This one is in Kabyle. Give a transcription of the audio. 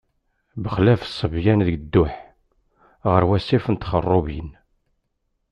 Bexlaf ṣṣebyan deg dduḥ, ɣer wasif n Txerrubin.